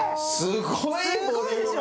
すごいでしょ。